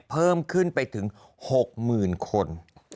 เพิ่มขึ้นไปถึง๖๐๐๐คน